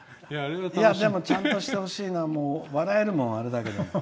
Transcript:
でも、ちゃんとしてほしいな笑えるもん、あれだけで。